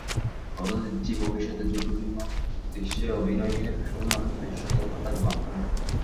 কথা দিচ্ছি, ভবিষ্যতে ঝুঁকিপূর্ণ দৃশ্যে অভিনয়ের সময় অনেক বেশি সতর্ক থাকব আমি।